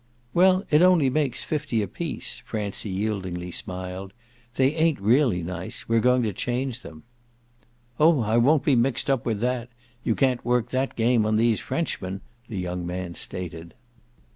"Well, it only makes fifty apiece," Francie yieldingly smiled. "They ain't really nice we're going to change them." "Oh I won't be mixed up with that you can't work that game on these Frenchmen!" the young man stated.